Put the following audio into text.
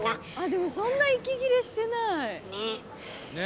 でもそんな息切れしてない。ね！